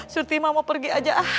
suritima mau pergi aja